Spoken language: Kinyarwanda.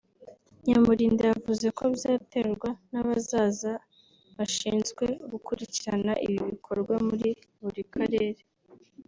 Nyamurinda yavuze ko bizaterwa n’abazaba bashinzwe gukurikirana ibi bikorwa muri buri karere